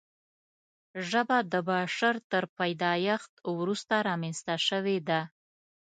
ژبه د بشر تر پیدایښت وروسته رامنځته شوې ده.